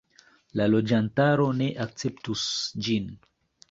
La loĝantaro ne akceptus ĝin.